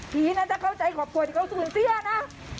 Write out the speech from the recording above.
ดีนะถ้าเข้าใจครอบครัวที่เขาสูญเสียนะ